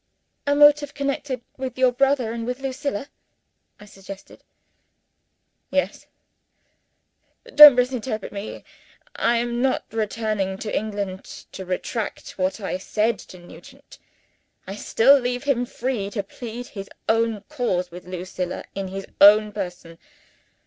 "A motive connected with your brother and with Lucilla?" I suggested. "Yes. Don't misinterpret me! I am not returning to England to retract what I said to Nugent. I still leave him free to plead his own cause with Lucilla in his own person.